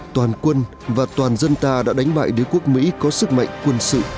toàn quân và toàn dân ta đã đánh bại đế quốc mỹ có sức mạnh quân sự